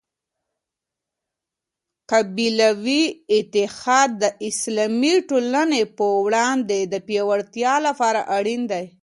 قبیلوي اتحاد د اسلامي ټولني په وړاندي د پياوړتیا لپاره اړین دی.